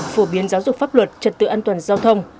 phổ biến giáo dục pháp luật trật tự an toàn giao thông